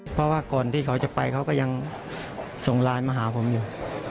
เพราะว่าก่อนที่เขาจะไปเขาก็ยังส่งไลน์มาหาผมอยู่